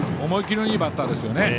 思い切りのいいバッターですよね。